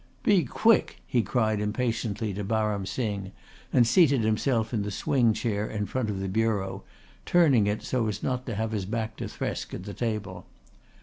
"Be quick!" he cried impatiently to Baram Singh, and seated himself in the swing chair in front of the bureau, turning it so as not to have his back to Thresk at the table.